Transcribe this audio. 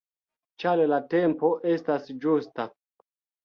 Ĉar la tempo estas ĝusta!